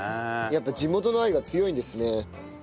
やっぱ地元の愛が強いんですね。